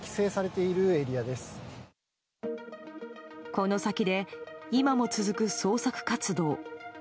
この先で今も続く捜索活動。